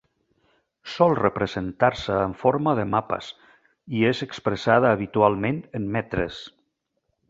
Sol representar-se en forma de mapes i és expressada habitualment en metres.